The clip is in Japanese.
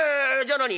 じゃあ何？